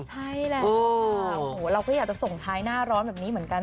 ใช่แหละโอ้โหเราก็อยากจะส่งท้ายหน้าร้อนแบบนี้เหมือนกัน